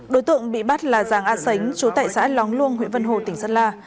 đối tượng bị bắt là giàng a sánh chú tại xã lóng luông huyện vân hồ tỉnh sơn la